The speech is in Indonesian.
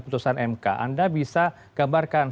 keputusan mk anda bisa gabarkan